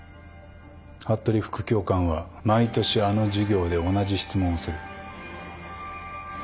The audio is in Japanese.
服部副教官は毎年あの授業で同じ質問をする。